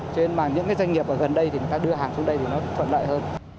cho nên mà những cái doanh nghiệp ở gần đây thì người ta đưa hàng xuống đây thì nó thuận lợi hơn